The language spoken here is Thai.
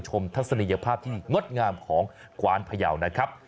ชมทักษณียภาพที่งดงามของคว้านพระยาวนะครับ